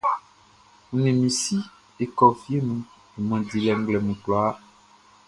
N ni mi si e kɔ fie nun junman dilɛ nglɛmun kwlaa.